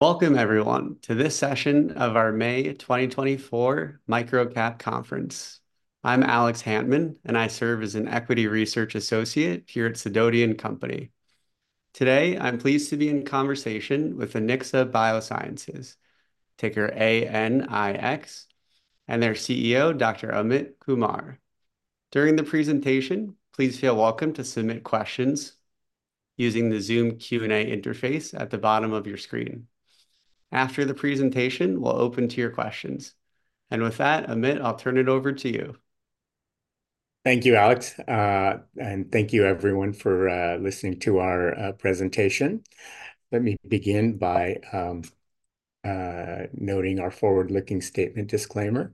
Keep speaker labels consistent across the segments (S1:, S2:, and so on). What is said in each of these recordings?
S1: Welcome, everyone to this session of our May 2024 MicroCap Conference. I'm Alex Hantman, and I serve as an Equity Research Associate here at Sidoti & Company. Today I'm pleased to be in conversation with Anixa Biosciences, ticker A-N-I-X, and their CEO, Dr. Amit Kumar. During the presentation, please feel welcome to submit questions using the Zoom Q&A interface at the bottom of your screen. After the presentation, we'll open to your questions. And with that, Amit, I'll turn it over to you.
S2: Thank you, Alex, and thank you, everyone, for listening to our presentation. Let me begin by noting our forward-looking statement disclaimer.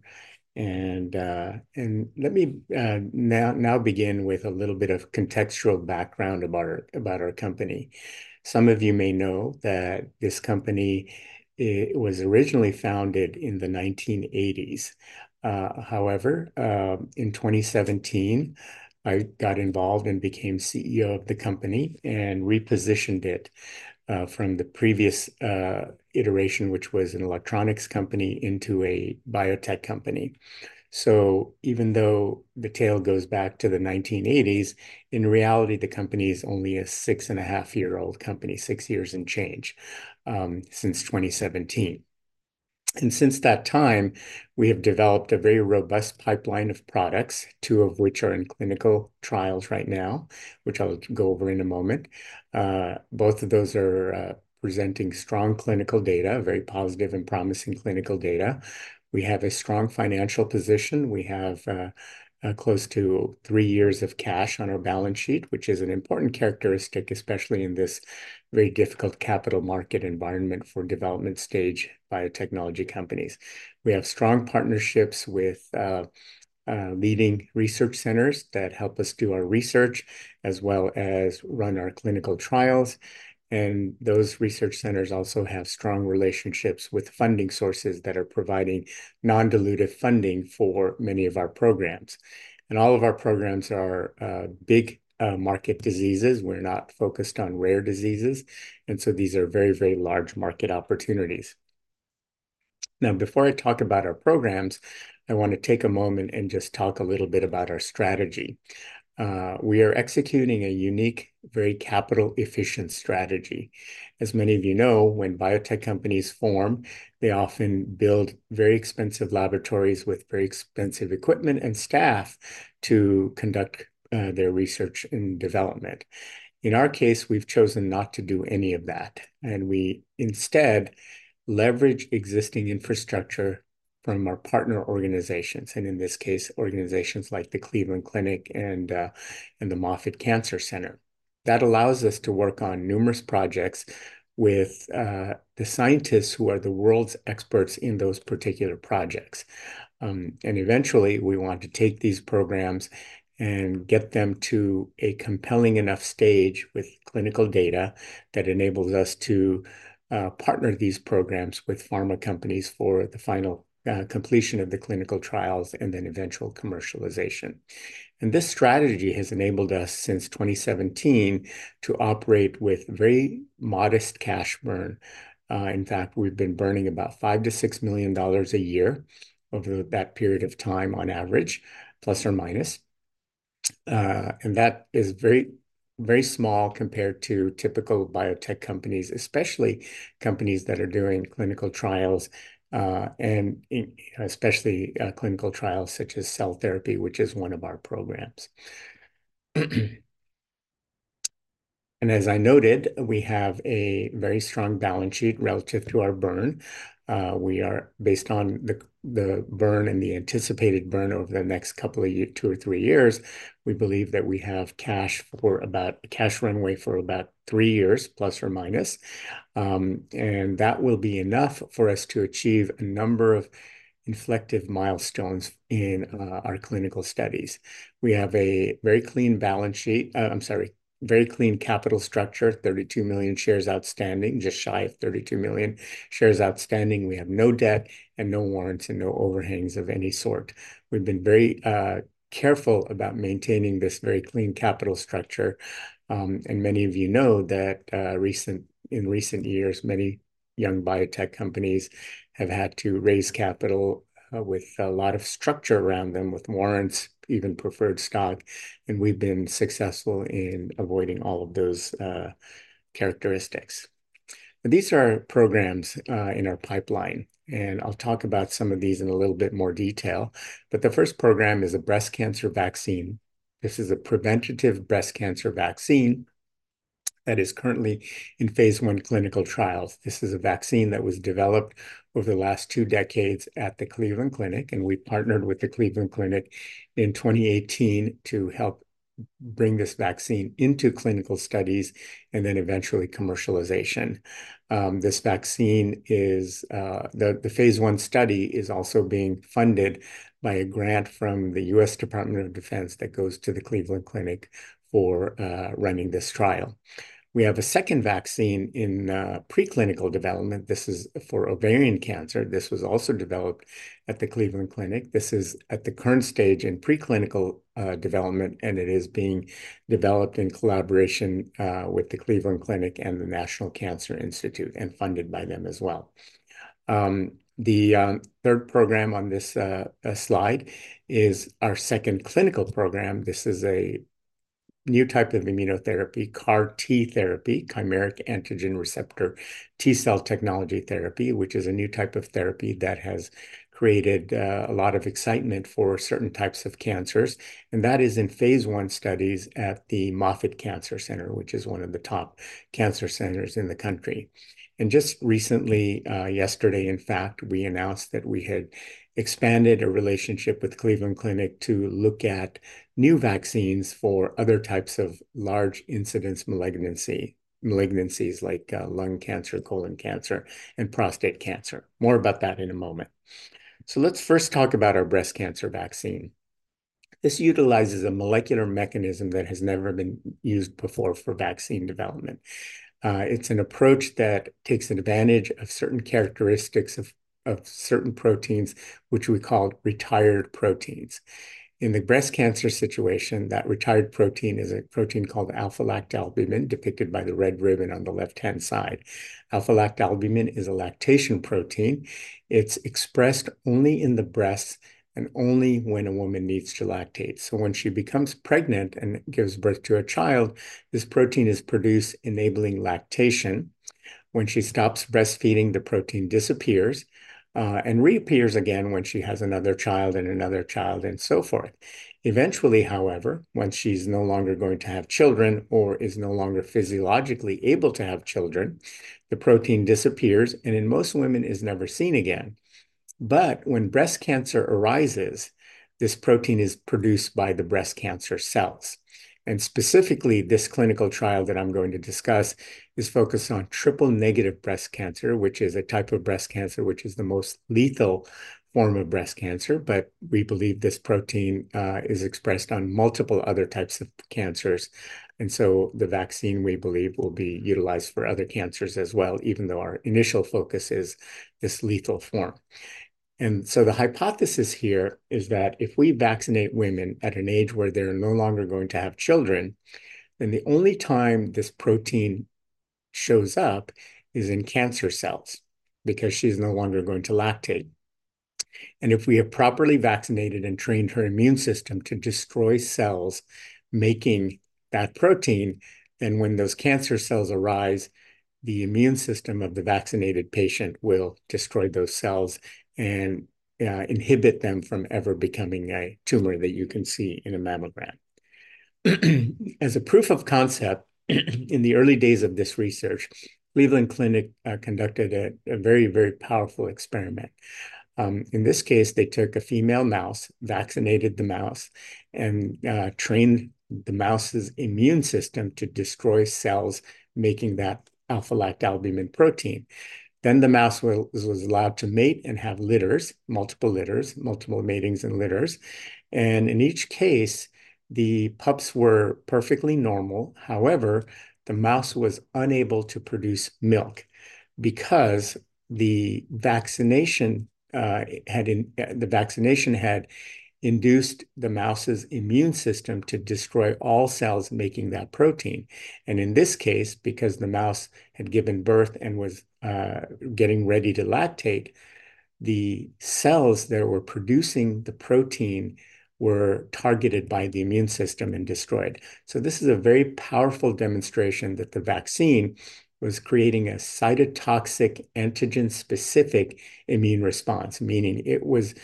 S2: Let me now begin with a little bit of contextual background about our company. Some of you may know that this company was originally founded in the 1980s. However, in 2017, I got involved and became CEO of the company and repositioned it from the previous iteration, which was an electronics company, into a biotech company. So even though the tale goes back to the 1980s, in reality, the company is only a 6 and 1/2-year-old company, 6 years and change since 2017. Since that time, we have developed a very robust pipeline of products, 2 of which are in clinical trials right now, which I'll go over in a moment. Both of those are presenting strong clinical data, very positive and promising clinical data. We have a strong financial position. We have close to three years of cash on our balance sheet, which is an important characteristic, especially in this very difficult capital market environment for development-stage biotechnology companies. We have strong partnerships with leading research centers that help us do our research as well as run our clinical trials. And those research centers also have strong relationships with funding sources that are providing non-dilutive funding for many of our programs. And all of our programs are big-market diseases. We're not focused on rare diseases. And so these are very, very large market opportunities. Now, before I talk about our programs, I want to take a moment and just talk a little bit about our strategy. We are executing a unique, very capital-efficient strategy. As many of you know, when biotech companies form, they often build very expensive laboratories with very expensive equipment and staff to conduct their research and development. In our case, we've chosen not to do any of that. We instead leverage existing infrastructure from our partner organizations, and in this case, organizations like the Cleveland Clinic and the Moffitt Cancer Center. That allows us to work on numerous projects with the scientists who are the world's experts in those particular projects. Eventually, we want to take these programs and get them to a compelling enough stage with clinical data that enables us to partner these programs with pharma companies for the final completion of the clinical trials and then eventual commercialization. This strategy has enabled us since 2017 to operate with very modest cash burn. In fact, we've been burning about $5-$6 million a year over that period of time, on average, plus or minus. That is very, very small compared to typical biotech companies, especially companies that are doing clinical trials, and especially clinical trials such as cell therapy, which is one of our programs. As I noted, we have a very strong balance sheet relative to our burn. Based on the burn and the anticipated burn over the next couple of years, 2 or 3 years, we believe that we have cash runway for about 3 years, plus or minus. That will be enough for us to achieve a number of inflective milestones in our clinical studies. We have a very clean balance sheet. I'm sorry, very clean capital structure, 32 million shares outstanding, just shy of 32 million shares outstanding. We have no debt and no warrants and no overhangs of any sort. We've been very careful about maintaining this very clean capital structure. Many of you know that in recent years, many young biotech companies have had to raise capital with a lot of structure around them, with warrants, even preferred stock. We've been successful in avoiding all of those characteristics. These are our programs in our pipeline. I'll talk about some of these in a little bit more detail. The first program is a breast cancer vaccine. This is a preventative breast cancer vaccine that is currently in phase I clinical trials. This is a vaccine that was developed over the last two decades at the Cleveland Clinic. We partnered with the Cleveland Clinic in 2018 to help bring this vaccine into clinical studies and then eventually commercialization. The phase I study is also being funded by a grant from the U.S. Department of Defense that goes to the Cleveland Clinic for running this trial. We have a second vaccine in preclinical development. This is for ovarian cancer. This was also developed at the Cleveland Clinic. This is at the current stage in preclinical development, and it is being developed in collaboration with the Cleveland Clinic and the National Cancer Institute and funded by them as well. The third program on this slide is our second clinical program. This is a new type of immunotherapy, CAR-T therapy, chimeric antigen receptor T-cell technology therapy, which is a new type of therapy that has created a lot of excitement for certain types of cancers. And that is in phase I studies at the Moffitt Cancer Center, which is one of the top cancer centers in the country. And just recently, yesterday, in fact, we announced that we had expanded a relationship with Cleveland Clinic to look at new vaccines for other types of large incidence malignancies, like lung cancer, colon cancer, and prostate cancer. More about that in a moment. So let's first talk about our breast cancer vaccine. This utilizes a molecular mechanism that has never been used before for vaccine development. It's an approach that takes advantage of certain characteristics of certain proteins, which we call retired proteins. In the breast cancer situation, that retired protein is a protein called alpha-lactalbumin, depicted by the red ribbon on the left-hand side. Alpha-lactalbumin is a lactation protein. It's expressed only in the breasts and only when a woman needs to lactate. So when she becomes pregnant and gives birth to a child, this protein is produced, enabling lactation. When she stops breastfeeding, the protein disappears and reappears again when she has another child and another child and so forth. Eventually, however, once she's no longer going to have children or is no longer physiologically able to have children, the protein disappears and in most women is never seen again. But when breast cancer arises, this protein is produced by the breast cancer cells. And specifically, this clinical trial that I'm going to discuss is focused on triple-negative breast cancer, which is a type of breast cancer that is the most lethal form of breast cancer. But we believe this protein is expressed on multiple other types of cancers. And so the vaccine, we believe, will be utilized for other cancers as well, even though our initial focus is this lethal form. And so the hypothesis here is that if we vaccinate women at an age where they're no longer going to have children, then the only time this protein shows up is in cancer cells because she's no longer going to lactate. And if we have properly vaccinated and trained her immune system to destroy cells making that protein, then when those cancer cells arise, the immune system of the vaccinated patient will destroy those cells and inhibit them from ever becoming a tumor that you can see in a mammogram. As a proof of concept, in the early days of this research, Cleveland Clinic conducted a very, very powerful experiment. In this case, they took a female mouse, vaccinated the mouse, and trained the mouse's immune system to destroy cells making that alpha-lactalbumin protein. Then the mouse was allowed to mate and have litters, multiple litters, multiple matings and litters. In each case, the pups were perfectly normal. However, the mouse was unable to produce milk because the vaccination had induced the mouse's immune system to destroy all cells making that protein. And in this case, because the mouse had given birth and was getting ready to lactate, the cells that were producing the protein were targeted by the immune system and destroyed. This is a very powerful demonstration that the vaccine was creating a cytotoxic antigen-specific immune response, meaning it was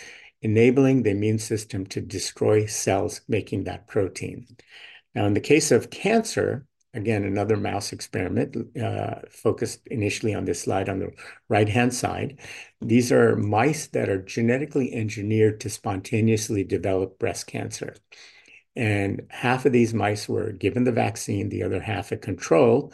S2: enabling the immune system to destroy cells making that protein. Now, in the case of cancer, again, another mouse experiment focused initially on this slide on the right-hand side. These are mice that are genetically engineered to spontaneously develop breast cancer. And half of these mice were given the vaccine, the other half a control.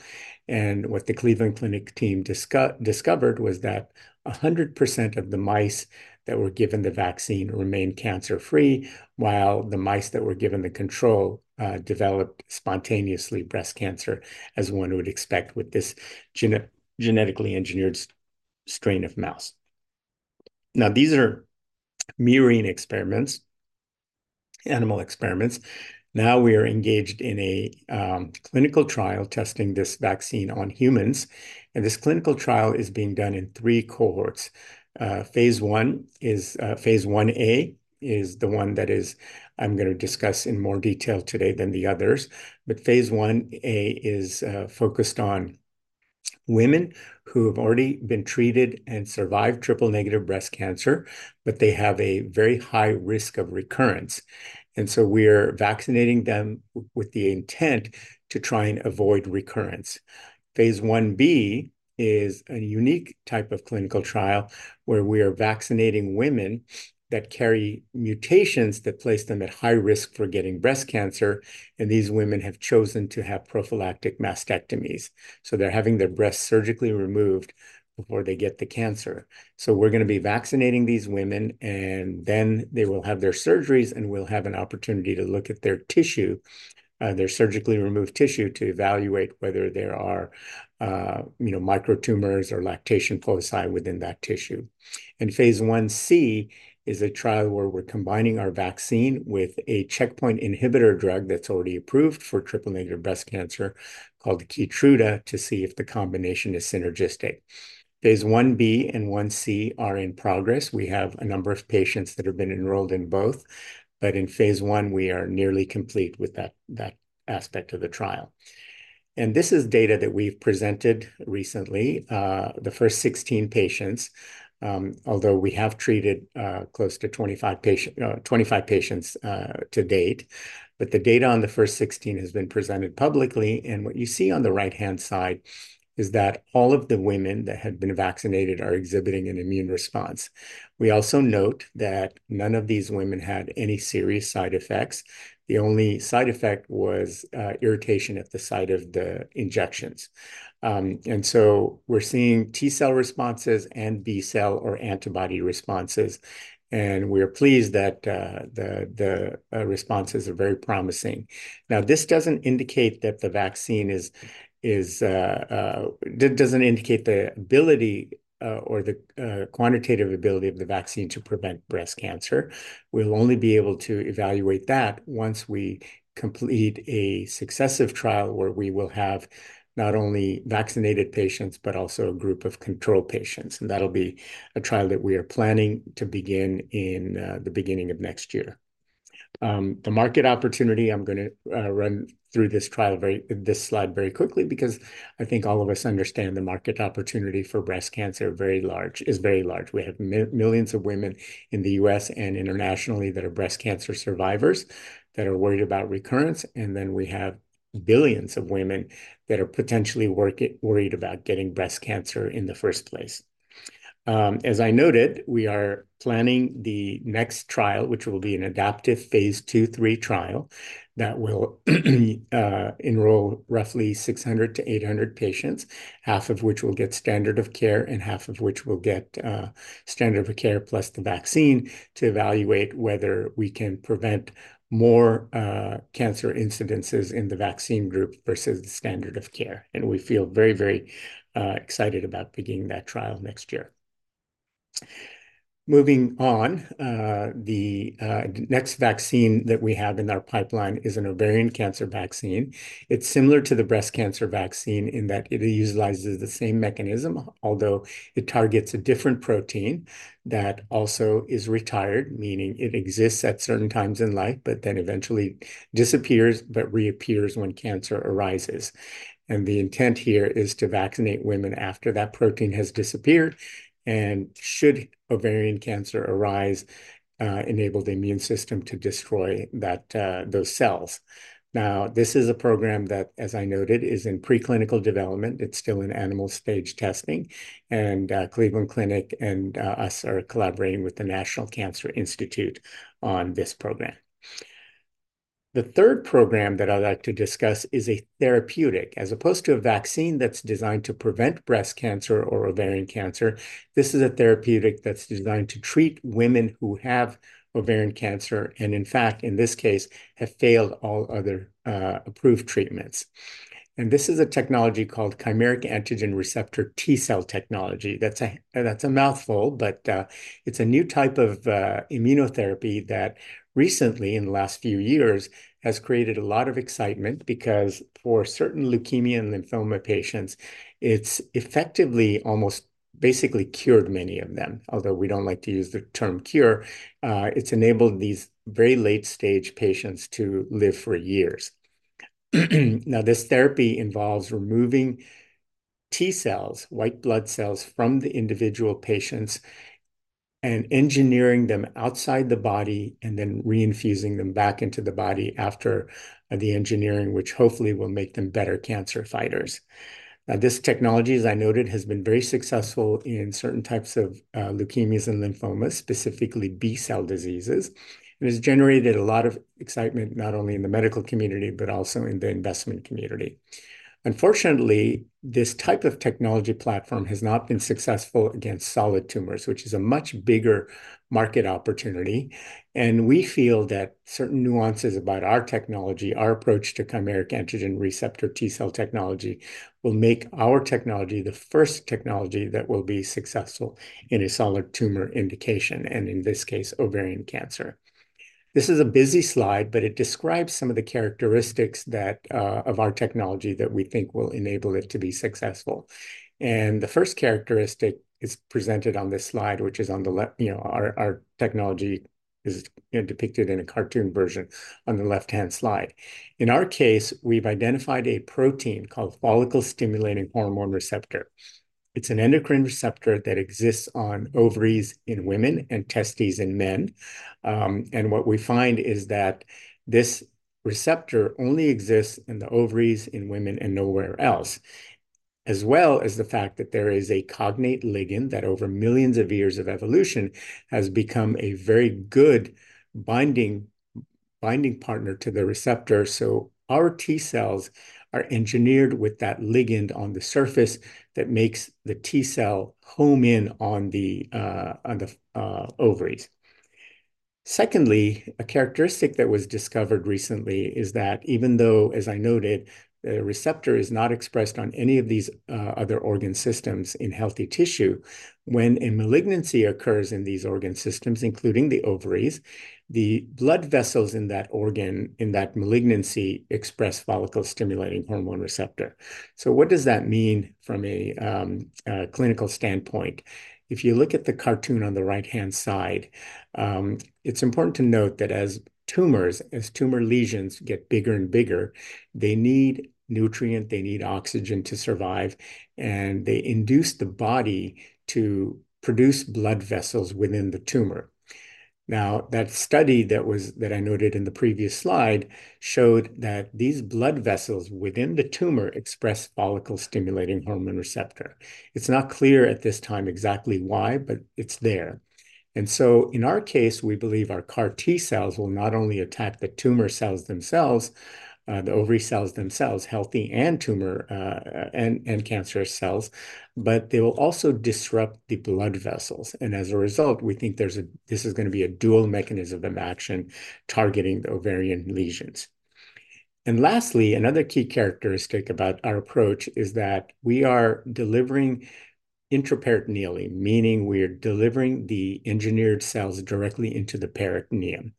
S2: What the Cleveland Clinic team discovered was that 100% of the mice that were given the vaccine remained cancer-free, while the mice that were given the control developed spontaneously breast cancer, as one would expect with this genetically engineered strain of mouse. Now, these are murine experiments, animal experiments. Now we are engaged in a clinical trial testing this vaccine on humans. And this clinical trial is being done in three cohorts. Phase I is phase IA, is the one that I'm going to discuss in more detail today than the others. But phase 1A is focused on women who have already been treated and survived triple-negative breast cancer, but they have a very high risk of recurrence. And so we are vaccinating them with the intent to try and avoid recurrence. Phase IB is a unique type of clinical trial where we are vaccinating women that carry mutations that place them at high risk for getting breast cancer. These women have chosen to have prophylactic mastectomies. They're having their breasts surgically removed before they get the cancer. We're going to be vaccinating these women, and then they will have their surgeries, and we'll have an opportunity to look at their tissue, their surgically removed tissue, to evaluate whether there are, you know, microtumors or lactation foci within that tissue. Phase IC is a trial where we're combining our vaccine with a checkpoint inhibitor drug that's already approved for triple-negative breast cancer called Keytruda to see if the combination is synergistic. Phase IB and IC are in progress. We have a number of patients that have been enrolled in both. In phase I, we are nearly complete with that aspect of the trial. This is data that we've presented recently, the first 16 patients, although we have treated close to 25 patients to date. The data on the first 16 has been presented publicly. What you see on the right-hand side is that all of the women that had been vaccinated are exhibiting an immune response. We also note that none of these women had any serious side effects. The only side effect was irritation at the site of the injections. So we're seeing T-cell responses and B-cell or antibody responses. We are pleased that the responses are very promising. Now, this doesn't indicate that the vaccine is it doesn't indicate the ability or the quantitative ability of the vaccine to prevent breast cancer. We'll only be able to evaluate that once we complete a successive trial where we will have not only vaccinated patients, but also a group of control patients. And that'll be a trial that we are planning to begin in the beginning of next year. The market opportunity, I'm going to run through this trial, this slide very quickly, because I think all of us understand the market opportunity for breast cancer is very large. We have millions of women in the U.S. and internationally that are breast cancer survivors that are worried about recurrence. And then we have billions of women that are potentially worried about getting breast cancer in the first place. As I noted, we are planning the next trial, which will be an adaptive phase II/III trial that will enroll roughly 600-800 patients, half of which will get standard of care and half of which will get standard of care plus the vaccine to evaluate whether we can prevent more cancer incidences in the vaccine group versus the standard of care. We feel very, very excited about beginning that trial next year. Moving on, the next vaccine that we have in our pipeline is an ovarian cancer vaccine. It's similar to the breast cancer vaccine in that it utilizes the same mechanism, although it targets a different protein that also is retired, meaning it exists at certain times in life, but then eventually disappears but reappears when cancer arises. The intent here is to vaccinate women after that protein has disappeared. Should ovarian cancer arise, enable the immune system to destroy those cells. Now, this is a program that, as I noted, is in preclinical development. It's still in animal stage testing. Cleveland Clinic and us are collaborating with the National Cancer Institute on this program. The third program that I'd like to discuss is a therapeutic. As opposed to a vaccine that's designed to prevent breast cancer or ovarian cancer, this is a therapeutic that's designed to treat women who have ovarian cancer and, in fact, in this case, have failed all other approved treatments. This is a technology called chimeric antigen receptor T-cell technology. That's a mouthful, but it's a new type of immunotherapy that recently, in the last few years, has created a lot of excitement because for certain leukemia and lymphoma patients, it's effectively almost basically cured many of them, although we don't like to use the term cure. It's enabled these very late-stage patients to live for years. Now, this therapy involves removing T-cells, white blood cells from the individual patients, and engineering them outside the body and then reinfusing them back into the body after the engineering, which hopefully will make them better cancer fighters. Now, this technology, as I noted, has been very successful in certain types of leukemias and lymphomas, specifically B-cell diseases, and has generated a lot of excitement not only in the medical community, but also in the investment community. Unfortunately, this type of technology platform has not been successful against solid tumors, which is a much bigger market opportunity. We feel that certain nuances about our technology, our approach to chimeric antigen receptor T-cell technology, will make our technology the first technology that will be successful in a solid tumor indication, and in this case, ovarian cancer. This is a busy slide, but it describes some of the characteristics of our technology that we think will enable it to be successful. The first characteristic is presented on this slide, which is on the left. You know, our technology is depicted in a cartoon version on the left-hand slide. In our case, we've identified a protein called follicle-stimulating hormone receptor. It's an endocrine receptor that exists on ovaries in women and testes in men. What we find is that this receptor only exists in the ovaries in women and nowhere else, as well as the fact that there is a cognate ligand that, over millions of years of evolution, has become a very good binding partner to the receptor. So our T-cells are engineered with that ligand on the surface that makes the T-cell home in on the ovaries. Secondly, a characteristic that was discovered recently is that, even though, as I noted, the receptor is not expressed on any of these other organ systems in healthy tissue, when a malignancy occurs in these organ systems, including the ovaries, the blood vessels in that organ, in that malignancy, express follicle-stimulating hormone receptor. So what does that mean from a clinical standpoint? If you look at the cartoon on the right-hand side, it's important to note that, as tumor lesions get bigger and bigger, they need nutrient, they need oxygen to survive, and they induce the body to produce blood vessels within the tumor. Now, that study that I noted in the previous slide showed that these blood vessels within the tumor express follicle-stimulating hormone receptor. It's not clear at this time exactly why, but it's there. And so, in our case, we believe our CAR T-cells will not only attack the tumor cells themselves, the ovary cells themselves, healthy and tumor and cancerous cells, but they will also disrupt the blood vessels. And as a result, we think this is going to be a dual mechanism of action targeting the ovarian lesions. Lastly, another key characteristic about our approach is that we are delivering intraperitoneally, meaning we are delivering the engineered cells directly into the peritoneum.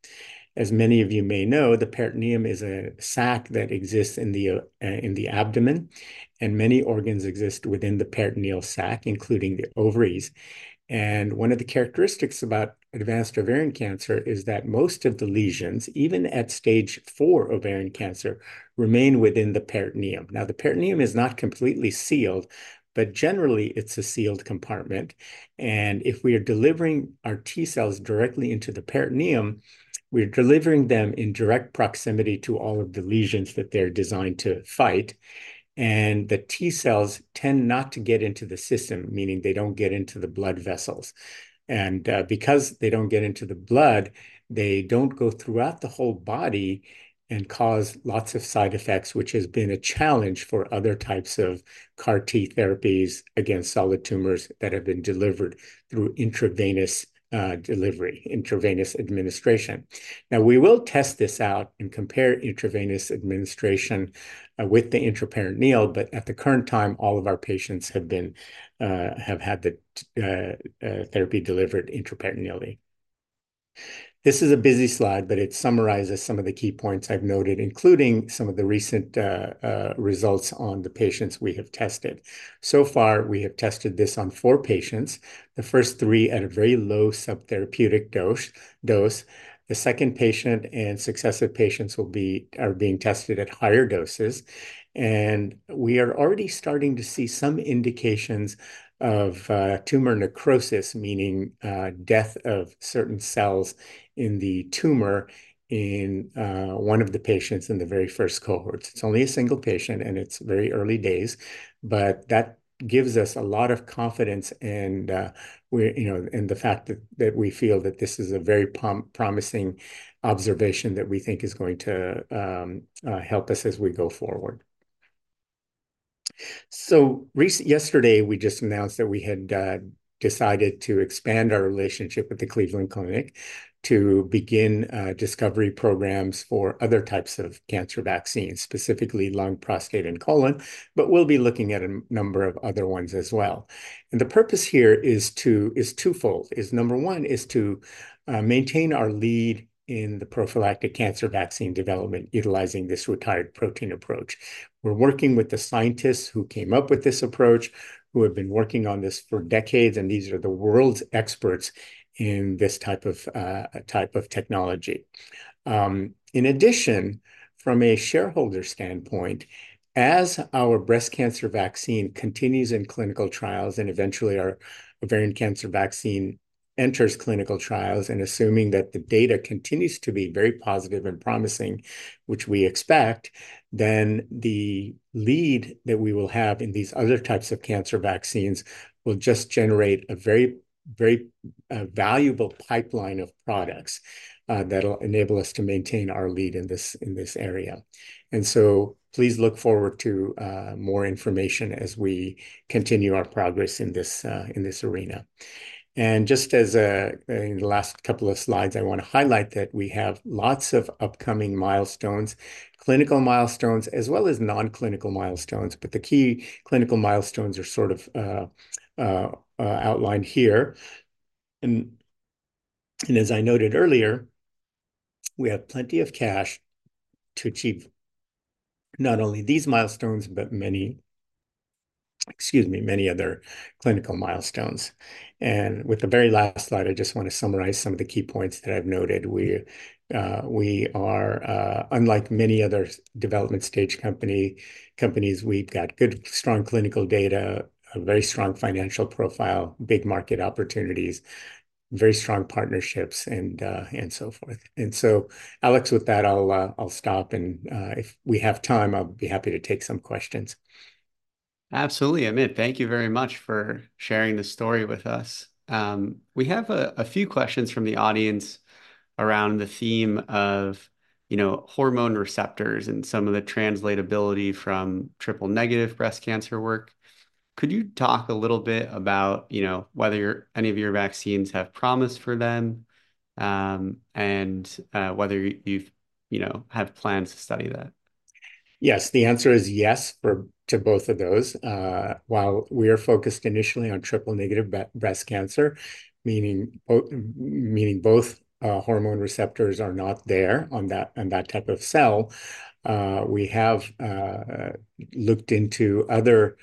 S2: As many of you may know, the peritoneum is a sac that exists in the abdomen, and many organs exist within the peritoneal sac, including the ovaries. One of the characteristics about advanced ovarian cancer is that most of the lesions, even at stage 4 ovarian cancer, remain within the peritoneum. Now, the peritoneum is not completely sealed, but generally, it's a sealed compartment. If we are delivering our T-cells directly into the peritoneum, we're delivering them in direct proximity to all of the lesions that they're designed to fight. The T-cells tend not to get into the system, meaning they don't get into the blood vessels. And because they don't get into the blood, they don't go throughout the whole body and cause lots of side effects, which has been a challenge for other types of CAR T therapies against solid tumors that have been delivered through intravenous delivery, intravenous administration. Now, we will test this out and compare intravenous administration with the intraperitoneal. At the current time, all of our patients have had the therapy delivered intraperitoneally. This is a busy slide, but it summarizes some of the key points I've noted, including some of the recent results on the patients we have tested. So far, we have tested this on 4 patients, the first 3 at a very low subtherapeutic dose. The second patient and successive patients are being tested at higher doses. We are already starting to see some indications of tumor necrosis, meaning death of certain cells in the tumor in one of the patients in the very first cohorts. It's only a single patient, and it's very early days. That gives us a lot of confidence. We're, you know, in the fact that we feel that this is a very promising observation that we think is going to help us as we go forward. Yesterday, we just announced that we had decided to expand our relationship with the Cleveland Clinic to begin discovery programs for other types of cancer vaccines, specifically lung, prostate, and colon. We'll be looking at a number of other ones as well. The purpose here is twofold. Number one is to maintain our lead in the prophylactic cancer vaccine development, utilizing this retired protein approach. We're working with the scientists who came up with this approach, who have been working on this for decades. These are the world's experts in this type of technology. In addition, from a shareholder standpoint, as our breast cancer vaccine continues in clinical trials and eventually our ovarian cancer vaccine enters clinical trials, and assuming that the data continues to be very positive and promising, which we expect, then the lead that we will have in these other types of cancer vaccines will just generate a very, very valuable pipeline of products that will enable us to maintain our lead in this area. Please look forward to more information as we continue our progress in this arena. Just as in the last couple of slides, I want to highlight that we have lots of upcoming milestones, clinical milestones, as well as non-clinical milestones. The key clinical milestones are sort of outlined here. As I noted earlier, we have plenty of cash to achieve not only these milestones, but many, excuse me, many other clinical milestones. With the very last slide, I just want to summarize some of the key points that I've noted. We are, unlike many other development stage companies, we've got good, strong clinical data, a very strong financial profile, big market opportunities, very strong partnerships, and so forth. So, Alex, with that, I'll stop. If we have time, I'll be happy to take some questions.
S1: Absolutely, Amit. Thank you very much for sharing the story with us. We have a few questions from the audience around the theme of, you know, hormone receptors and some of the translatability from Triple-negative breast cancer work. Could you talk a little bit about, you know, whether any of your vaccines have promise for them and whether you've, you know, have plans to study that?
S2: Yes, the answer is yes to both of those. While we are focused initially on triple-negative breast cancer, meaning both hormone receptors are not there on that type of cell, we have looked into other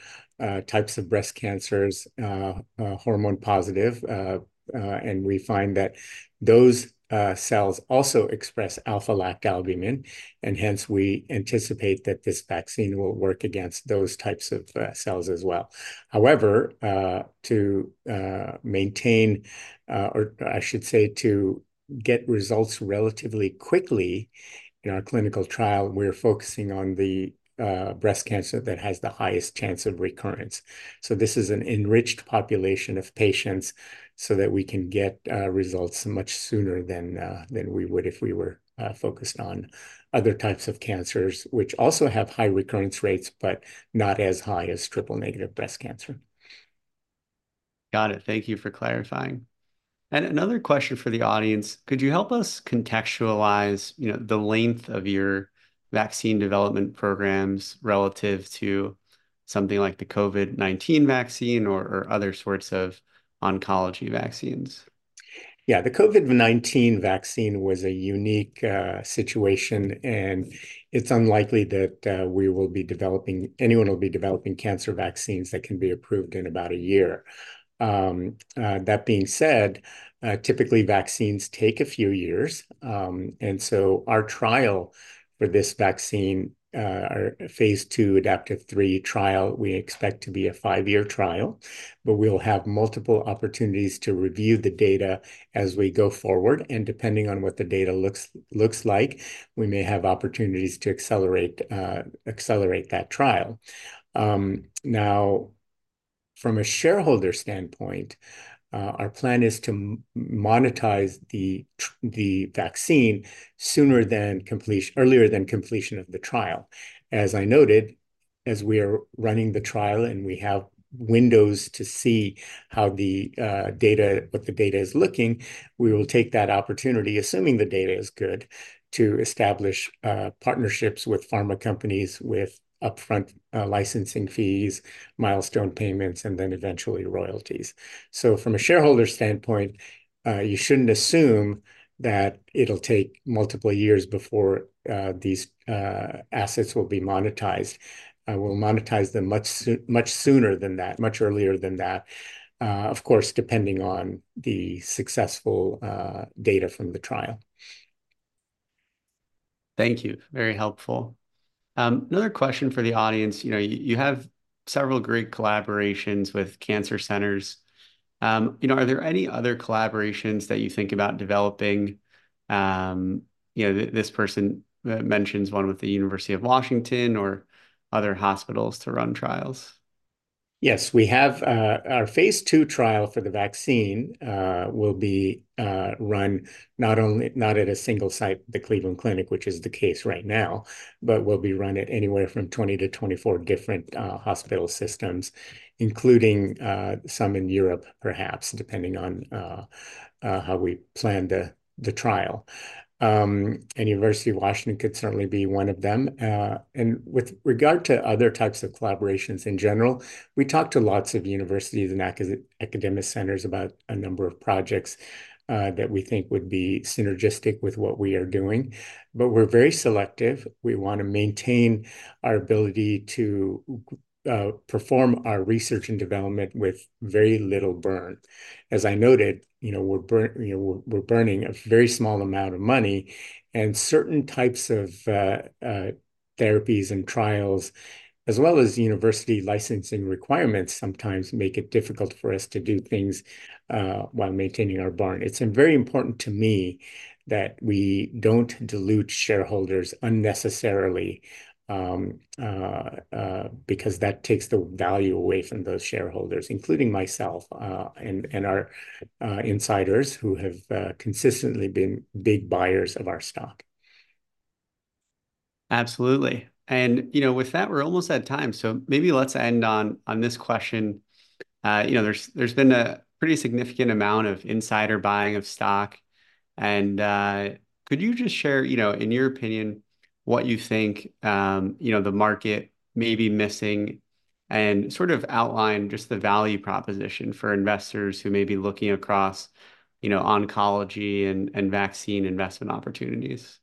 S2: types of breast cancers, hormone positive. And we find that those cells also express alpha-lactalbumin. And hence, we anticipate that this vaccine will work against those types of cells as well. However, to maintain, or I should say, to get results relatively quickly in our clinical trial, we are focusing on the breast cancer that has the highest chance of recurrence. So this is an enriched population of patients so that we can get results much sooner than we would if we were focused on other types of cancers, which also have high recurrence rates, but not as high as triple-negative breast cancer.
S1: Got it. Thank you for clarifying. Another question for the audience, could you help us contextualize the length of your vaccine development programs relative to something like the COVID-19 vaccine or other sorts of oncology vaccines?
S2: Yeah, the COVID-19 vaccine was a unique situation, and it's unlikely that anyone will be developing cancer vaccines that can be approved in about a year. That being said, typically, vaccines take a few years. And so our trial for this vaccine, our phase II, adaptive three trial, we expect to be a five-year trial. But we'll have multiple opportunities to review the data as we go forward. And depending on what the data looks like, we may have opportunities to accelerate that trial. Now, from a shareholder standpoint, our plan is to monetize the vaccine earlier than completion of the trial. As I noted, as we are running the trial and we have windows to see what the data is looking, we will take that opportunity, assuming the data is good, to establish partnerships with pharma companies with upfront licensing fees, milestone payments, and then eventually royalties. From a shareholder standpoint, you shouldn't assume that it'll take multiple years before these assets will be monetized. We'll monetize them much sooner than that, much earlier than that, of course, depending on the successful data from the trial.
S1: Thank you. Very helpful. Another question for the audience. You know, you have several great collaborations with cancer centers. You know, are there any other collaborations that you think about developing? You know, this person mentions one with the University of Washington or other hospitals to run trials.
S2: Yes, we have. Our phase II trial for the vaccine will be run not at a single site, the Cleveland Clinic, which is the case right now, but will be run at anywhere from 20-24 different hospital systems, including some in Europe, perhaps, depending on how we plan the trial. University of Washington could certainly be one of them. With regard to other types of collaborations in general, we talk to lots of universities and academic centers about a number of projects that we think would be synergistic with what we are doing. But we're very selective. We want to maintain our ability to perform our research and development with very little burn. As I noted, you know, we're burning a very small amount of money. Certain types of therapies and trials, as well as university licensing requirements, sometimes make it difficult for us to do things while maintaining our burn. It's very important to me that we don't dilute shareholders unnecessarily because that takes the value away from those shareholders, including myself and our insiders who have consistently been big buyers of our stock.
S1: Absolutely. And you know, with that, we're almost at time. So maybe let's end on this question. You know, there's been a pretty significant amount of insider buying of stock. And could you just share, you know, in your opinion, what you think, you know, the market may be missing and sort of outline just the value proposition for investors who may be looking across, you know, oncology and vaccine investment opportunities?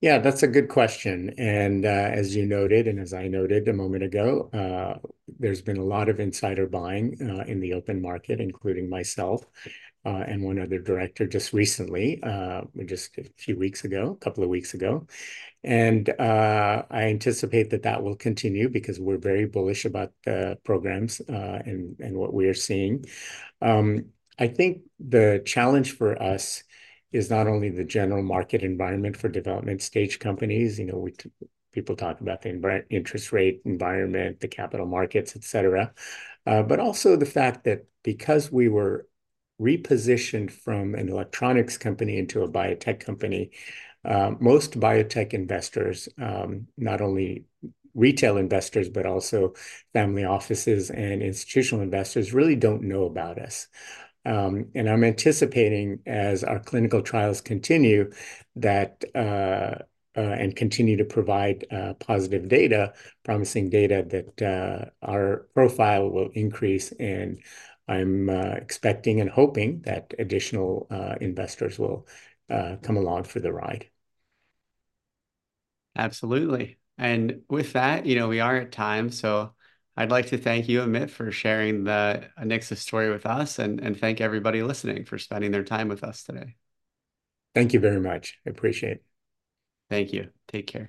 S2: Yeah, that's a good question. And as you noted, and as I noted a moment ago, there's been a lot of insider buying in the open market, including myself and one other director just recently, just a few weeks ago, a couple of weeks ago. And I anticipate that that will continue because we're very bullish about the programs and what we are seeing. I think the challenge for us is not only the general market environment for development stage companies. You know, people talk about the interest rate environment, the capital markets, et cetera, but also the fact that because we were repositioned from an electronics company into a biotech company, most biotech investors, not only retail investors, but also family offices and institutional investors, really don't know about us. I'm anticipating, as our clinical trials continue and continue to provide positive data, promising data that our profile will increase. I'm expecting and hoping that additional investors will come along for the ride.
S1: Absolutely. And with that, you know, we are at time. So I'd like to thank you, Amit, for sharing the Anixa story with us and thank everybody listening for spending their time with us today.
S2: Thank you very much. I appreciate it.
S1: Thank you. Take care.